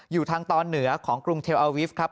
อยู่ทางตอนเหนือของกรุงเทลอาวิฟต์ครับ